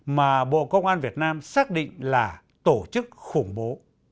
mà bộ công an việt nam xác định là tổ chức khủng bố